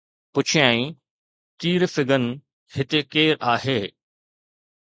پڇيائين، ”تير فگن هتي ڪير آهي؟